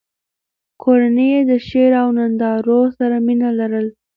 کورنۍ یې د شعر او نندارو سره مینه لرله.